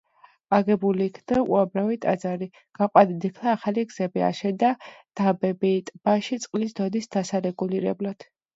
აგებულ იქნა უამრავი ტაძარი, გაყვანილ იქნა ახალი გზები, აშენდა დამბები ტბაში წყლის დონის დასარეგულირებლად.